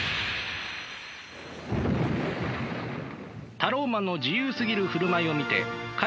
タローマンの自由すぎる振る舞いを見て彼らは思った。